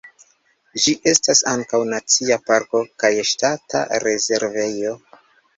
Ĝi estas ankaŭ nacia parko kaj ŝtata rezervejo.